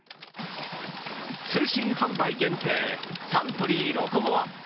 通信販売限定サントリーロコモア。